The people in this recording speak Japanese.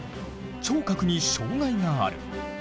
聴覚に障害がある。